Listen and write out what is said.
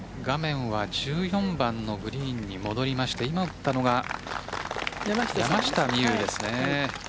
画面は１４番のグリーンに戻りまして今打ったのが山下美夢有ですね。